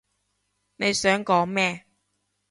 你想講咩？